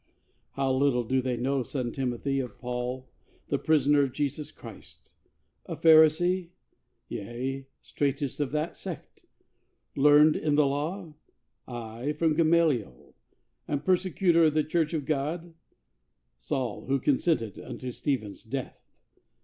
How little do they know, son Timothy, Of Paul, the prisoner of Jesus Christ. A Pharisee? Yea, straitest of that sect. Learned in the law? Aye, from Gamaliel. And persecutor of the Church of God? Saul who consented unto Stephen's death!